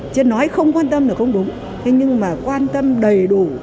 chứ nói không quan tâm là không đúng thế nhưng mà quan tâm đầy đủ